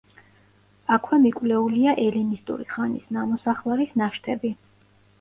აქვე მიკვლეულია ელინისტური ხანის ნამოსახლარის ნაშთები.